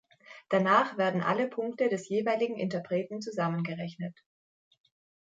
Danach werden alle Punkte des jeweiligen Interpreten zusammengerechnet.